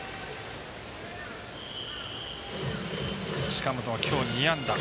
近本はきょう２安打。